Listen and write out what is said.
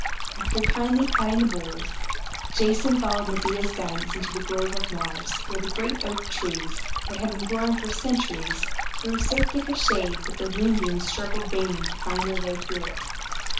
After kindly patting the bulls, Jason followed Medea's guidance into the Grove of Mars, where the great oak trees, that had been growing for centuries, threw so thick a shade that the moonbeams struggled vainly to find their way through it.